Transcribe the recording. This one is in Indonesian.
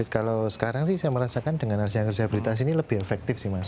kalau sekarang sih saya merasakan dengan harga disabilitas ini lebih efektif sih mas